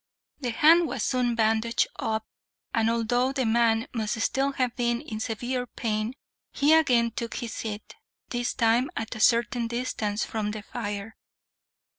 The hand was soon bandaged up and, although the man must still have been in severe pain, he again took his seat, this time at a certain distance from the fire.